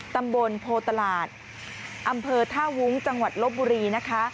ตำบลโพตลาดอำเภอท่าวุ้งจังหวัดลบบุรีนะคะ